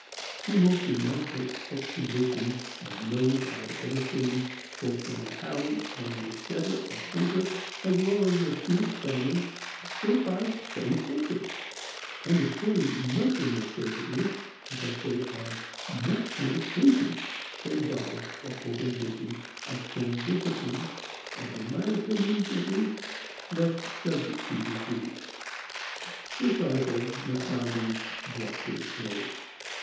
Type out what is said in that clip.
The most remarkable exhibitions of nose I have ever seen, both in the Hound and the Setter or Pointer, as well as the Field Spaniel, were by spayed bitches. And the thing much in their favor is, that they are much more patient than dogs or open bitches of kennel discipline, and in my opinion, at least, less sub ject to disease. This article must now be brought to a close.